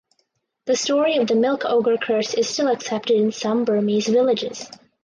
The story of the Milk Ogre curse is still accepted in some Burmese villages.